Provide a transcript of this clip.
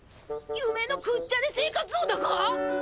ゆめの食っちゃ寝生活をだか？